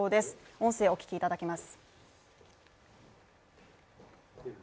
音声をお聞きいただきます。